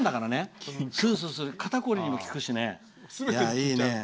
肩こりにも効くしね。